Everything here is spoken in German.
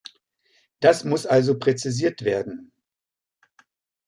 Das muss also präzisiert werden.